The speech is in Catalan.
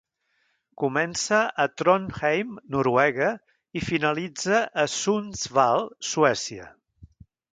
Comença a Trondheim, Noruega i finalitza a Sundsvall, Suècia.